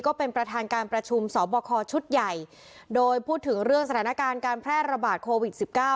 ก็เป็นประธานการประชุมสอบคอชุดใหญ่โดยพูดถึงเรื่องสถานการณ์การแพร่ระบาดโควิดสิบเก้า